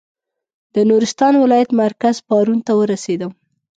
د نورستان ولایت مرکز پارون ته ورسېدم.